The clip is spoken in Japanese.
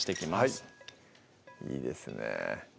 はいいいですね